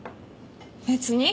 別に。